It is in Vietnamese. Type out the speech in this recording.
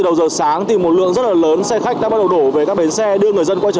đầu giờ sáng thì một lượng rất là lớn xe khách đã bắt đầu đổ về các bến xe đưa người dân quay trở